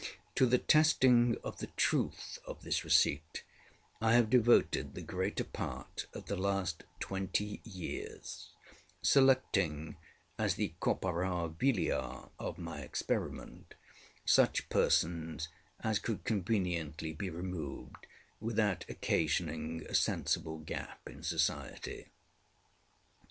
To the testing of the truth of this receipt I have devoted the greater part of the last twenty years, selecting as the corpora vilia of my experiment such persons as could conveniently be removed without occasioning a sensible gap in society.